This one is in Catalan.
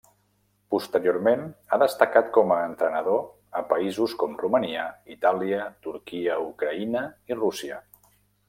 Posteriorment ha destacat com a entrenador a països com Romania, Itàlia, Turquia, Ucraïna i Rússia.